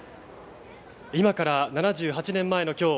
今から７８年前の今日